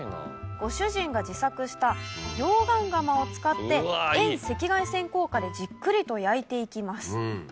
ご主人が自作した溶岩窯を使って遠赤外線効果でじっくりと焼いていきます。